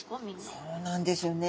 そうなんですよね。